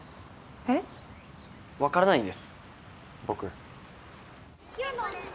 分からないんです、僕。